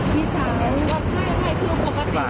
มีสารถ้าให้ไม่แบบปกติก็ไม่แบบแบบ